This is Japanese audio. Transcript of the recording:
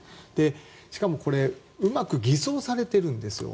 しかもこれ、うまく偽装されているんですよ。